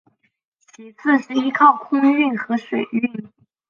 其次是依靠空运和水运。